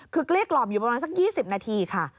คือเกลี้ยกล่อมอยู่ประมาณสัก๒๐นาทีค่ะ